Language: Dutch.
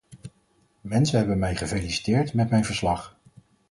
Mensen hebben mij gefeliciteerd met mijn verslag.